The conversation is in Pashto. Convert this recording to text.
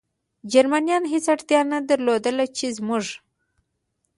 جرمنیانو هېڅ اړتیا نه درلوده، چې زموږ.